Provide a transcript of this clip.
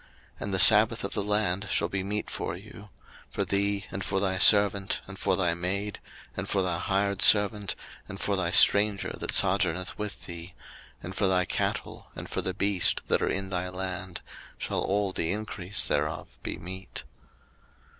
03:025:006 And the sabbath of the land shall be meat for you; for thee, and for thy servant, and for thy maid, and for thy hired servant, and for thy stranger that sojourneth with thee. 03:025:007 And for thy cattle, and for the beast that are in thy land, shall all the increase thereof be meat.